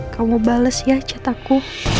kamu bales ya cataku